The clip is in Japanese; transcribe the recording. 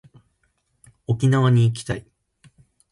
沖縄に行きたい